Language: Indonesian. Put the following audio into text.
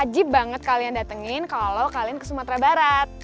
wajib banget kalian datengin kalau kalian ke sumatera barat